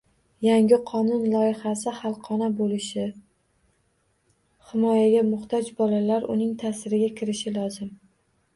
Yangi qonun loyihasi xalqona bo‘lishi, himoyaga muhtoj bolalar uning ta’siriga kirishi lozim